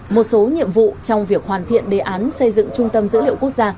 một số nhiệm vụ trong việc hoàn thiện đề án xây dựng trung tâm dữ liệu quốc gia